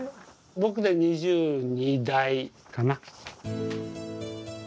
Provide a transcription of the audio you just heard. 僕で２２代かな。